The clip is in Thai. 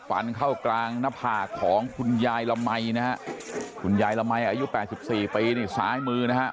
ฟันเข้ากลางหน้าผากของคุณยายละมัยนะฮะคุณยายละมัยอายุ๘๔ปีนี่ซ้ายมือนะฮะ